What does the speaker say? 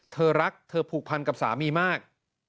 เธอรักเธอผูกพันกับสามีมาก